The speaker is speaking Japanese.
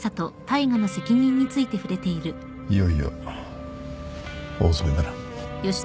いよいよ大詰めだな。